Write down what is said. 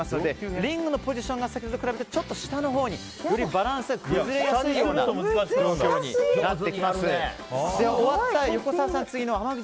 リングのポジションが先ほどと比べて下のほうによりバランスが崩れやすくなってきます。